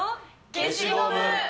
消しゴム。